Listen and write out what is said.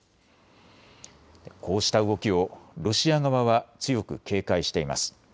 こうした動きをロシア側は強く警戒しています。